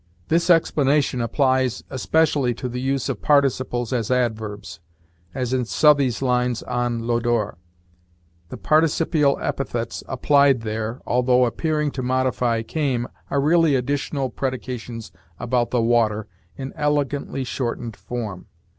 This explanation applies especially to the use of participles as adverbs, as in Southey's lines on Lodore; the participial epithets applied there, although appearing to modify 'came,' are really additional predications about 'the water,' in elegantly shortened form.